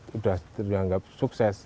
sudah teranggap sukses